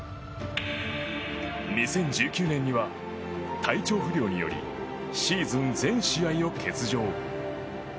２０１９年には体調不良によりシーズン全試合を欠場。